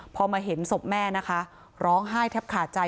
พอมาเห็นศพแม่นะคะร้องไห้แทบขาดใจ